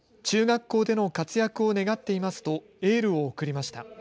中学校での活躍を願っていますとエールを贈りました。